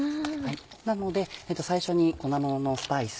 なので最初に粉もののスパイス。